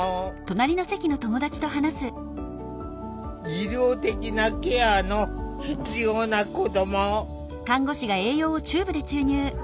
医療的なケアの必要な子ども。